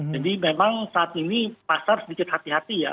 jadi memang saat ini pasar sedikit hati hati ya